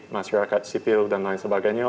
masyarakat sipil dan lain sebagainya